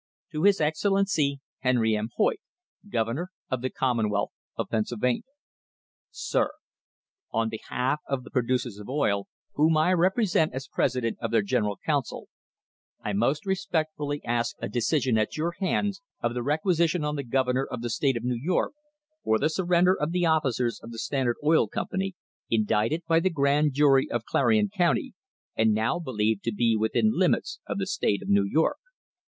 "To His Excellency Henry M. Hoyt, Governor of the Commonwealth of Pennsylvania. Sir — On behalf of the producers of oil, whom I represent as president of their General Council, I most respectfully ask a decision at your hands, of the requisition on the Governor of the state of New York, for the surrender of the officers of the Stand ard Oil Company, indicted by the Grand Jury of Clarion County, and now believed to be within the limits of the state of New York.